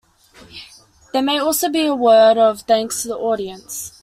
There may also be a word of thanks to the audience.